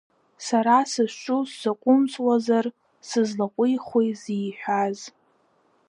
Сара сызҿу сзаҟәымҵуазар сызлаҟәихуеи зиҳәаз?